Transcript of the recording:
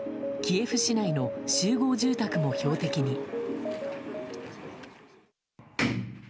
キエフ市内の集合住宅も標的に。